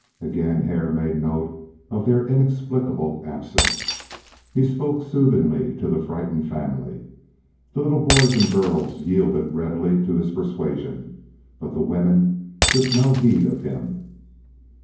Again Hare made note of their inexplicable absence. He spoke soothingly to the frightened family. The little boys and girls yielded readily to his persuasion, but the women took no heed of him.